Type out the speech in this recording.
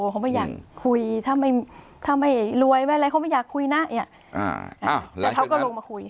เขาไม่อยากคุยถ้าไม่รวยไม่อะไรเขาไม่อยากคุยนะแล้วเขาก็ลงมาคุย